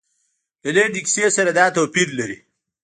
له لنډې کیسې سره دا توپیر لري.